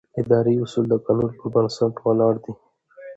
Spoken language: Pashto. اداري اصول د قانون پر بنسټ ولاړ دي.